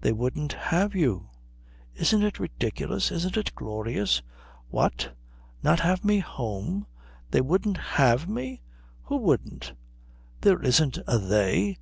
"They wouldn't have you. Isn't it ridiculous isn't it glorious?" "What, not have me home? They wouldn't have me? Who wouldn't? There isn't a they.